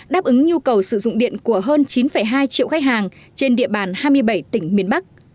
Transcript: đáp ứng nhu cầu sử dụng điện của hơn chín hai triệu khách hàng trên địa bàn hai mươi bảy tỉnh miền bắc